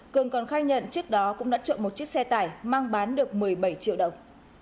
cường còn khai nhận trước đó cũng đã trộm một chiếc xe tải mang bán được một mươi bảy triệu đồng